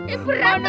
eh berat tuh